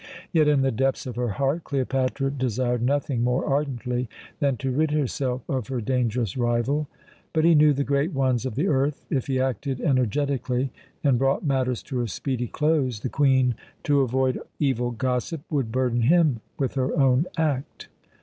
Yet, in the depths of her heart, Cleopatra desired nothing more ardently than to rid herself of her dangerous rival. But he knew the great ones of the earth. If he acted energetically and brought matters to a speedy close, the Queen, to avoid evil gossip, would burden him with her own act.